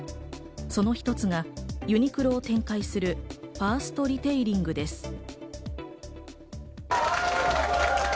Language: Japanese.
その一つがユニクロを展開するファーストリテイリングです。。